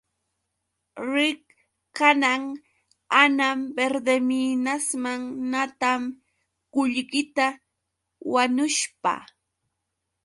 Riq kanan hanay Verdeminasman natam qullqita wanushpa.